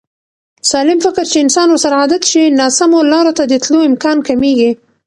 . سالم فکر چې انسان ورسره عادت شي، ناسمو لارو ته د تلو امکان کمېږي.